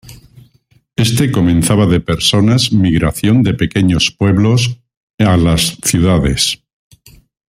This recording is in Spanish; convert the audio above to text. Este comenzaba de personas migración de pequeños pueblos a las ciudades.